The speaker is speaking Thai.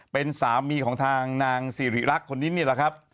เป็นสามีของทางนางสิริรักษ์คนนี้นี่แหละครับ